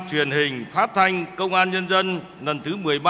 truyền hình phát thanh công an nhân dân lần thứ một mươi ba